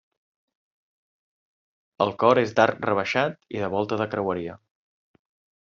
El cor és d'arc rebaixat i de volta de creueria.